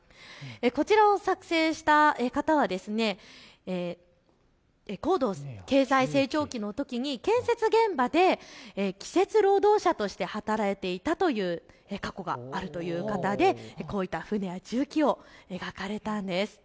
こちらを作成した方は高度経済成長期のときに建設現場で季節労働者として働いていたという過去があるという方でこういった船や重機を描かれたんです。